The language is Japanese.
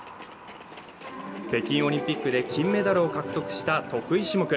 北京オリンピックで金メダルを獲得した得意種目。